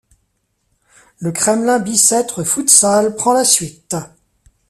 Le Kremlin-Bicêtre futsal prend la suite.